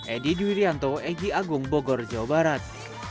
edy duirianto egy agung bogor jawa barat